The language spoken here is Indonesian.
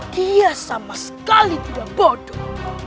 dia sama sekali tidak bodoh